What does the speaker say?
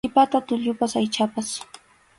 Siki pata tullupas aychapas.